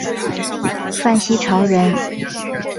范希朝人。